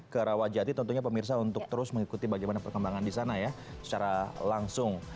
ke rawajati tentunya pemirsa untuk terus mengikuti bagaimana perkembangan di sana ya secara langsung